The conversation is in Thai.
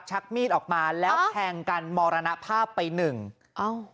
ชักมีดออกมาแล้วแทงกันมรณภาพไปหนึ่งเอ้า